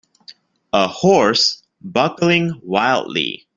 A horse bucking wildly